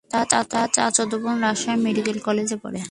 তার চাচাতো বোন রাজশাহী মেডিকেল কলেজে পড়ে।